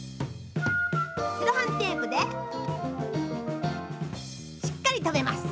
セロハンテープでしっかり留めます。